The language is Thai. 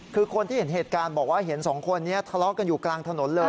คือคนที่เห็นเหตุการณ์บอกว่าเห็นสองคนนี้ทะเลาะกันอยู่กลางถนนเลย